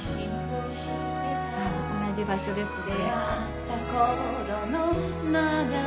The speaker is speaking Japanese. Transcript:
同じ場所ですね。